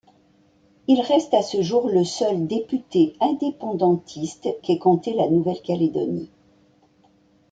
Il reste à ce jour le seul député indépendantiste qu'ait compté la Nouvelle-Calédonie.